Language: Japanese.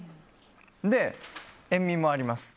塩みもあります。